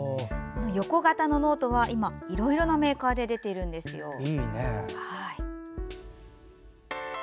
横型のノートは今、いろいろなメーカーで出ているんですよ。